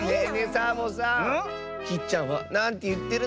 サボさんきっちゃんはなんていってるの？